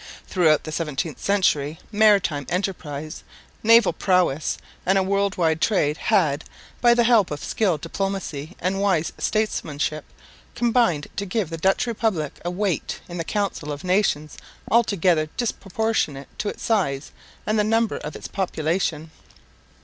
Throughout the 17th century maritime enterprise, naval prowess and world wide trade had, by the help of skilled diplomacy and wise statesmanship, combined to give to the Dutch Republic a weight in the council of nations altogether disproportionate to its size and the number of its population.